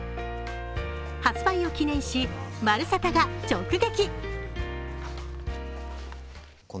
発売を記念し、「まるサタ」が直撃。